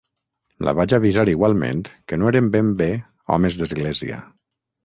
La vaig avisar igualment que no eren ben bé homes d'església...